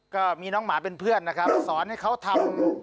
ก็มีน้องหมาเป็นเพื่อนนะครับสอนให้เขาทำ